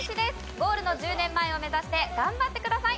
ゴールの１０年前を目指して頑張ってください。